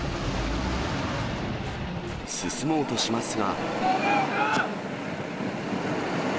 進もうとしますが。